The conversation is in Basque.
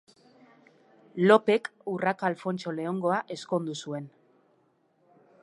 Lopek Urraka Alfontso Leongoa ezkondu zuen.